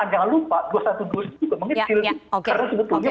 jangan lupa dua ratus dua belas itu juga mengecil karena sebetulnya